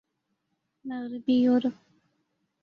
مغربی یورپ